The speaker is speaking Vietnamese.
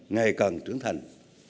ngày càng trưởng thành